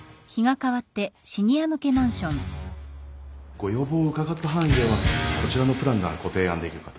ご要望を伺った範囲ではこちらのプランがご提案できるかと。